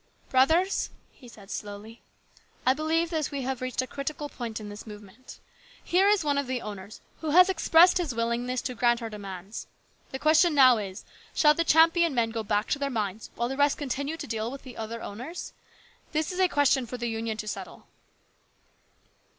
" Brothers," he said slowly, " I believe we have reached a critical point in this movement. Here is one of the owners who has expressed his willingness LARGE RESPONSIBILITIES. 57 to grant our demands. The question now is, shall the Champion men go back to their mines while the rest continue to deal with the other owners ? This is a question for the Union to settle."